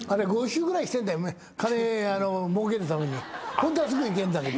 ホントはすぐ行けんだけど。